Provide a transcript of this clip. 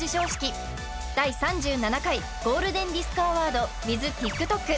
先日第３７回ゴールデンディスクアワードｗｉｔｈＴｉｋＴｏｋ